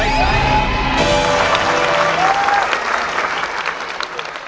ไม่ใช้ค่ะ